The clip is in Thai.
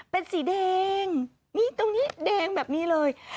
เป็นสีแดงนี่ตรงนี้แดงแบบนี้เลย